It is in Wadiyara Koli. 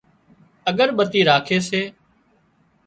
اڳرٻتي راکي سي